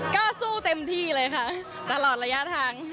ก็สู้เต็มที่เลยค่ะตลอดระยะทาง